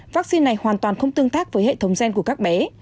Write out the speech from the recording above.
vaccine này hoàn toàn không tương tác với hệ thống gen của các bé